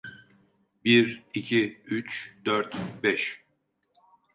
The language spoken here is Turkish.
Bir, iki, üç, dört, beş.